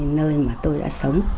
nơi mà tôi đã sống